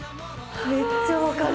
めっちゃわかる。